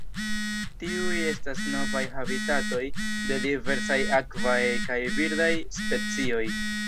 Tiuj estas novaj habitatoj de diversaj akvaj kaj birdaj specioj.